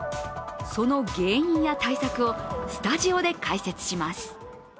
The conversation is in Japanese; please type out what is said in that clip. その原因や対策をスタジオで解説します。